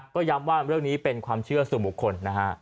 ก็แย่มว่าเรื่องนี้เป็นความเชื่อสุมบุคคล